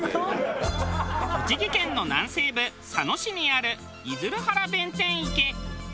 栃木県の南西部佐野市にある出流原弁天池。